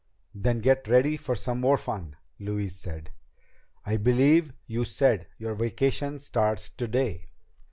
"Then get ready for some more fun," Louise said. "I believe you said your vacation starts today?"